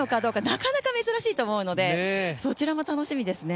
なかなか珍しいと思うのでそちらも楽しみですね。